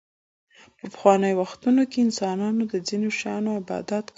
په پخوانیو وختونو کې انسانانو د ځینو شیانو عبادت کاوه